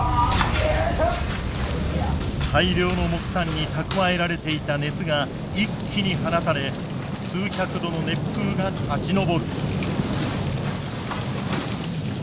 大量の木炭に蓄えられていた熱が一気に放たれ数百度の熱風が立ち上る。